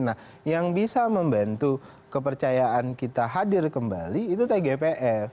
nah yang bisa membantu kepercayaan kita hadir kembali itu tgpf